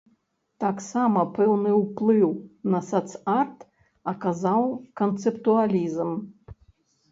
Таксама пэўны ўплыў на сац-арт аказаў канцэптуалізм.